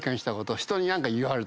人に何か言われたこと。